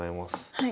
はい。